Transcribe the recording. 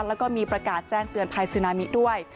แล้วก็มีประกาศแจ้งเตือนภัยซึนามิด้วย